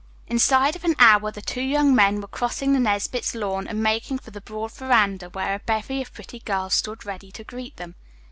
Inside of an hour the two young men were crossing the Nesbit's lawn and making for the broad veranda where a bevy of pretty girls stood ready to greet them.